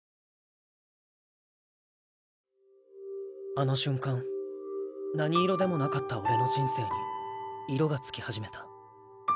あの瞬間何色でもなかった俺の人生に色がつきはじめた。